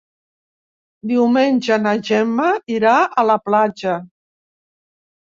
Diumenge na Gemma irà a la platja.